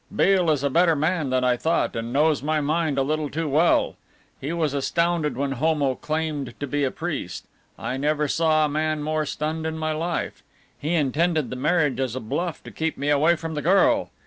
"Beale is a better man than I thought, and knows my mind a little too well. He was astounded when Homo claimed to be a priest I never saw a man more stunned in my life. He intended the marriage as a bluff to keep me away from the girl.